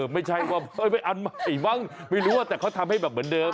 ไม่ใช่ว่าเป็นอันใหม่มั้งไม่รู้ว่าแต่เขาทำให้แบบเหมือนเดิม